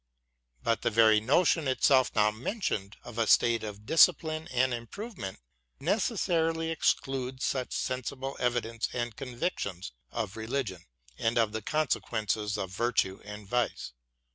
But the very notion itself now mentioned of a state of dis cipline and improvement, necessarily excludes such sensible evidence and convictions of reUgion, and of the consequences of virtue and vice.